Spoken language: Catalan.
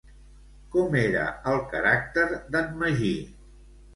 Com era el caràcter d'en Magí?